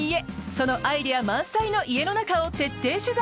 そのアイデア満載の家の中を徹底取材！